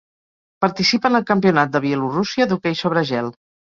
Participa en el Campionat de Bielorússia d'hoquei sobre gel.